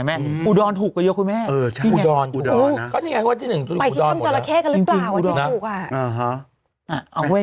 เมื่อวานนี้นำเสนอข่าวจราเข้